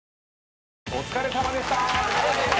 お疲れさまでした。